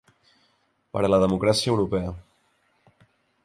Per a la democràcia europea.